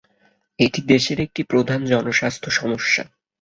এটি দেশের একটি প্রধান জনস্বাস্থ্য সমস্যা।